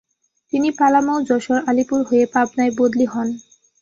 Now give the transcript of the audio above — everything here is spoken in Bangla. তিনি পালামৌ, যশোর, আলিপুর হয়ে পাবনায় বদলি হন।